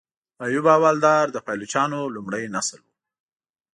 ایوب احوالدار د پایلوچانو لومړی نسل و.